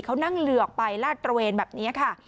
เขานั่งเหลือกไปลาดตระเวนแบบนี้ค่ะ